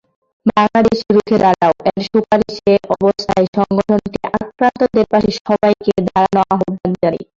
বাংলাদেশ রুখে দাঁড়াও-এর সুপারিশএ অবস্থায় সংগঠনটি আক্রান্তদের পাশে সবাইকে দাঁড়ানো আহ্বান জানায়।